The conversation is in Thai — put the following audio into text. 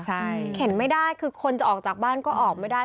ใช่เข็นไม่ได้คือคนจะออกจากบ้านก็ออกไม่ได้